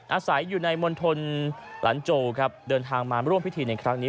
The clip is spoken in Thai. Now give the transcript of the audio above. อาศัยอยู่ในมณฑลหลันโจครับเดินทางมาร่วมพิธีในครั้งนี้